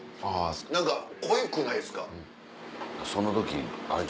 何か濃ゆくないですか？